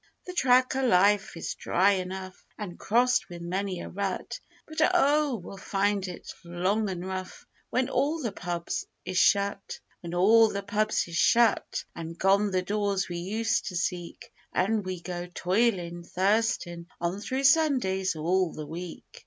The track o' life is dry enough, an' crossed with many a rut, But, oh! we'll find it long an' rough when all the pubs is shut; When all the pubs is shut, an' gone the doors we used to seek, An' we go toilin', thirstin' on through Sundays all the week.